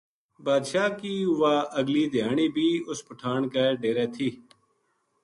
بادشاہ کی واہ اگلی دھیانی بی اُس پٹھان کے ڈیرے تھی